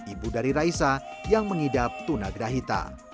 ibu dari raisa yang mengidap tunagrahita